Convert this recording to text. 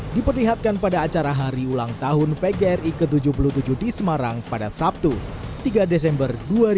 diperlihatkan pada acara hari ulang tahun pgri ke tujuh puluh tujuh di semarang pada sabtu tiga desember dua ribu dua puluh